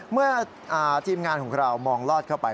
เมื่อทีมงานของเรามองลอดเข้าไป